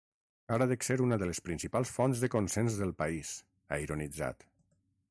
Ara dec ser una de les principals fonts de consens del país, ha ironitzat.